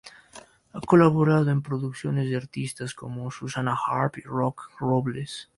Ha colaborado en producciones de artistas como Susana Harp y Roque Robles.